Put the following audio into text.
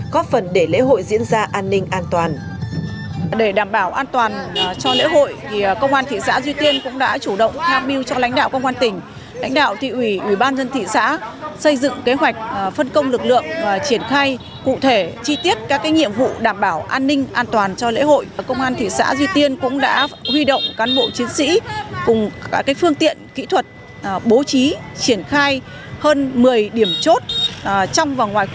góp phần để lễ hội diễn ra an ninh an toàn